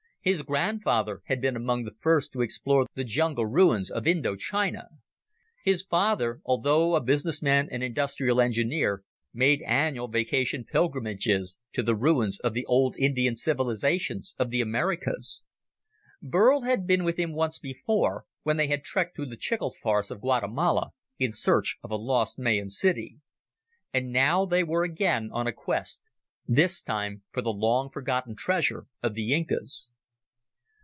His grandfather had been among the first to explore the jungle ruins of Indochina. His father, although a businessman and industrial engineer, made annual vacation pilgrimages to the ruins of the old Indian civilizations of the Americas. Burl had been with him once before, when they had trekked through the chicle forests of Guatemala in search of a lost Mayan city. And now they were again on a quest, this time for the long forgotten treasure of the Incas.